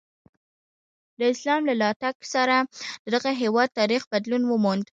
د اسلام له راتګ سره د دغه هېواد تاریخ بدلون وموند.